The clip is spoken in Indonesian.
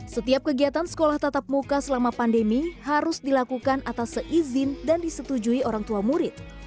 setiap kegiatan sekolah tatap muka selama pandemi harus dilakukan atas seizin dan disetujui orang tua murid